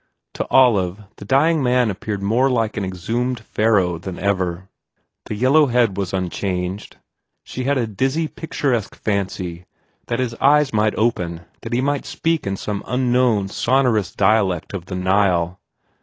To Olive the dying man appeared more like an exhumed Pharaoh than ever. The yellow head was unchanged. She had a dizzy, picturesque fancy that his eyes might open, that he might speak in some unknown, son orous dialect of the Nile.